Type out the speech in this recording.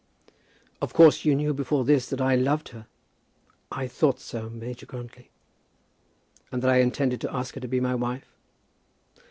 "Of course you knew before this that I loved her?" "I thought so, Major Grantly." "And that I intended to ask her to be my wife?"